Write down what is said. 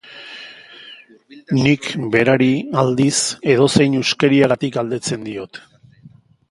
Nik berari, aldiz, edozein huskeriagatik galdetzen diot.